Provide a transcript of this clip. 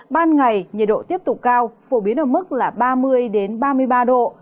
ban ngày nhiệt độ tiếp tục cao phổ biến ở mức là ba mươi ba mươi ba độ